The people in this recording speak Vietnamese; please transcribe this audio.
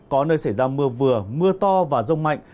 có nơi xảy ra mưa vừa mưa to và rông mạnh